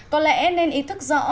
có lẽ nên ý thức rõ